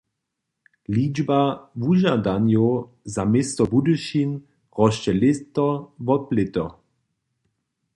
Ličba wužadanjow za město Budyšin rosće lěto wob lěto.